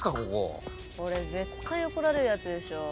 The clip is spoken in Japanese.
これ絶対怒られるやつでしょう。